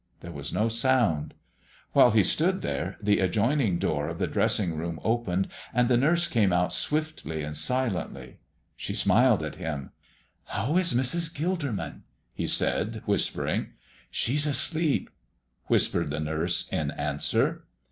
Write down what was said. There was no sound. While he stood there the adjoining door of the dressing room opened and the nurse came out swiftly and silently. She smiled at him. "How is Mrs. Gilderman?" he said, whispering. "She's asleep," whispered the nurse, in answer.